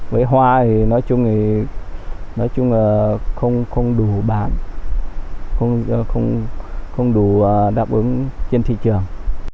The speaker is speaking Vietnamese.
với hoa thì nói chung là không đủ bán không đủ đáp ứng trên thị trường